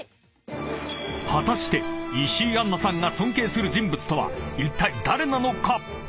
［果たして石井杏奈さんが尊敬する人物とはいったい誰なのか？］